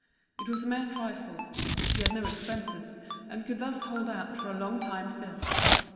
It was a mere trifle, he had no expenses, and could thus hold out for a long time still.